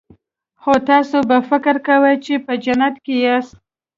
نو تاسو به فکر کاوه چې په جنت کې یاست